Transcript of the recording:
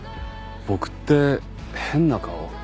僕って変な顔？